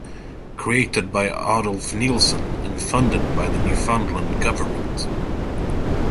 Created by Adolf Neilsen and funded by the Newfoundland government.